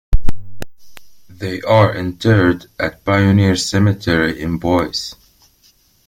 They are interred at Pioneer Cemetery in Boise.